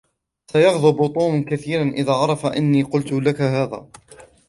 سيغضب توم كثيرًا إن عرف أنّي قلتُ لكِ هذا.